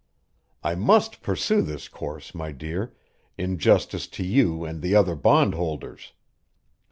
"I MUST pursue this course, my dear, in justice to you and the other bondholders.